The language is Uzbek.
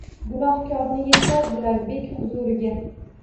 Gunohkorni yetkazdilar bek huzuriga